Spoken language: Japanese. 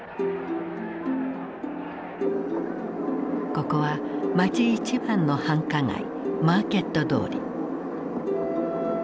ここは街一番の繁華街マーケット通り。